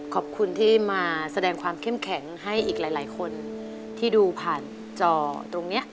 ขอบคุณที่มาแสดงความเข้มแข็งให้อีกหลายคนที่ดูผ่านจอตรงนี้